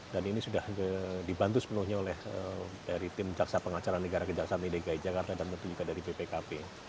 dan ini sudah dibantu sepenuhnya oleh tim caksa pengacara negara kejaksaan idki jakarta dan juga dari bpkp